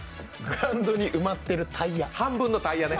グラウンドに埋まっているタイヤ。